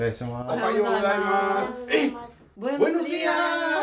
おはようございます。